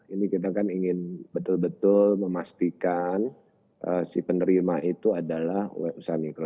ini kita kan ingin betul betul memastikan si penerima itu adalah usaha mikro